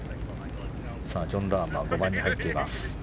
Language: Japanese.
ジョン・ラームは５番に入っています。